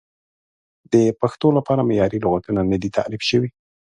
د پښتو لپاره معیاري لغتونه نه دي تعریف شوي.